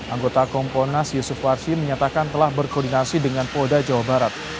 anggota kompolnas yusuf warsi menyatakan telah berkoordinasi dengan polda jawa barat